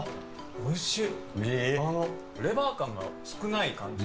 おいしい！